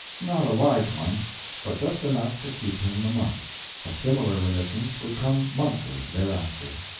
Not a large one, but just enough to keep him a month. A similar remittance would come monthly thereafter.